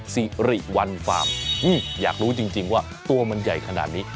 สิริวัลฟาร์มอยากรู้จริงว่าตัวมันใหญ่ขนาดนี้